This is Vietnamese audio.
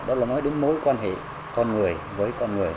đó là nói đến mối quan hệ con người với con người